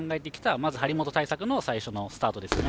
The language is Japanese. まず張本対策の最初のスタートですよね。